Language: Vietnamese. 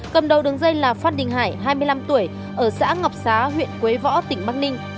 cầm đầu đường dây là phát đình hải hai mươi năm tuổi ở xã ngọc xá huyện quế võ tỉnh bắc ninh